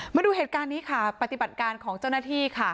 มาดูเหตุการณ์นี้ค่ะปฏิบัติการของเจ้าหน้าที่ค่ะ